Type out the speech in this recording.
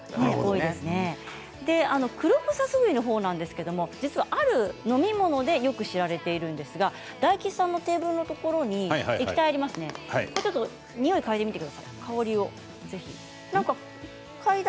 クロフサスグリのほうなんですけれども、実はある飲み物でよく知られているんですが大吉さんのテーブルのところに液体がありますのでちょっとにおいを嗅いでみてください。